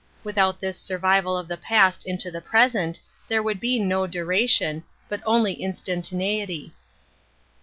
Without this survival of the past into the present there would be no duration, but only instantaneity.